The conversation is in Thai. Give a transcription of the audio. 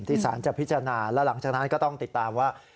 สารจะพิจารณาแล้วหลังจากนั้นก็ต้องติดตามว่า